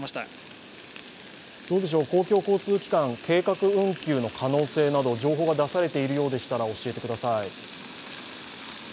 公共交通機関、計画運休の可能性など情報が出されているようでしたら教えてください。